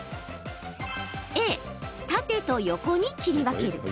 Ａ・縦と横に切り分ける。